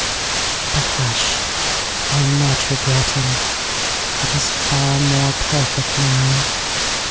But hush, I am not regretting:It is far more perfect now.